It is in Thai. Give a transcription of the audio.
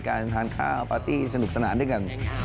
การทานข้าวปาร์ตี้สนุกสนานด้วยกัน